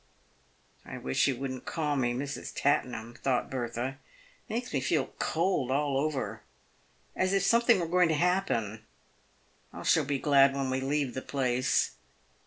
" I wish he wouldn't call me Mrs. Tattenham," thought Bertha. " It makes me feel cold all over, as if something were going to happen. I shall be glad when we leave the place."